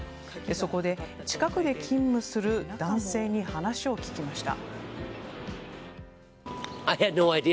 そこで、近くで勤務する男性に話を聞きました。